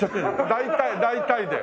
大体大体で。